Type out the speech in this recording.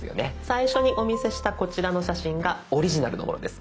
最初にお見せしたこちらの写真がオリジナルのものです。